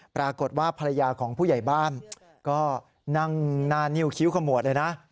ปรากฏว่าภรรยาของผู้ใหญ่บ้านก็นั่งหน้านิ้วคิ้วขมวดเลยนะ